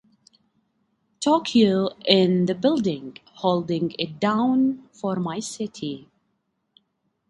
Tokyo in the building, holding it down for my city.